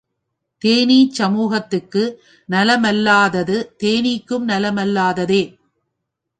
தேனீச் சமூகத்துக்கு நல மல்லாதது தேனீக்கும் நலமல்லாததே.